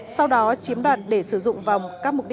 sau đó chiếm đoạt để sử dụng vòng